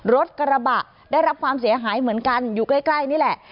รถกระบะได้รับความเสียหายเหมือนกันอยู่ใกล้นี่แหละ